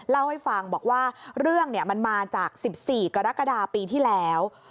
เล่าให้ฟังบอกว่าเรื่องมันมาจาก๑๔กรกฎาปีที่แล้ว